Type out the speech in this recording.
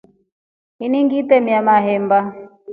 Ini ngitremia mahemba.